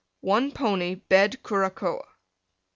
1 pony Bed Curacoa.